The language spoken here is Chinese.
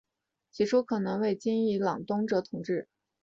起初可能为今伊朗东部统治者。